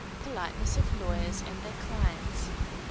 _Politeness of Lawyers and their Clients.